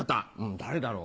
誰だろう？